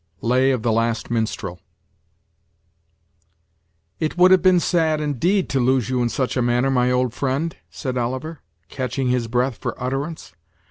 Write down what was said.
Lay of the Last Minstrel. "IT would have been sad, indeed, to lose you in such manner, my old friend," said Oliver, catching his breath for utterance.